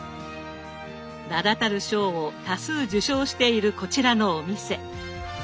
名だたる賞を多数受賞しているこちらのお店。